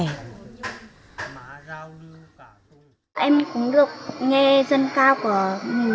em cũng được nghe dân ca của ông bạch